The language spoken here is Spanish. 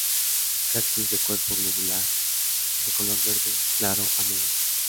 Cactus de cuerpo globular de color verde claro a medio.